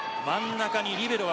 真ん中にリベロ